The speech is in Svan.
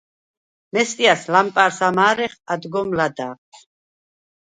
მესტიას ლამპა̈რს ამა̄რეხ ადგომ ლადა̈ღ.